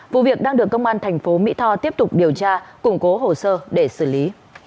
vụ việc đang được công an thành phố mỹ tho tiếp tục điều tra củng cố hồ sơ để xử lý